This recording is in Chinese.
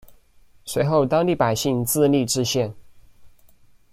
随后当地百姓自立冶县。